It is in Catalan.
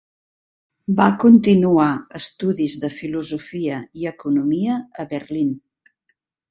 Va continuar estudis de filosofia i economia a Berlín.